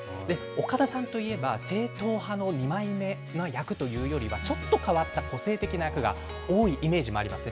岡田さんといえば、正統派の二枚目の役というよりは、ちょっと変わった個性的な役が多いイメージもありますね。